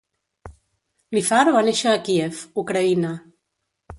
Lifar va néixer a Kíev, Ucraïna.